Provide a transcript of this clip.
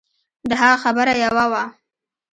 د هغه خبره يوه وه.